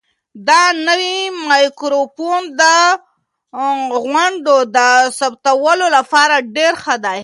دا نوی مایکروفون د غونډو د ثبتولو لپاره ډېر ښه دی.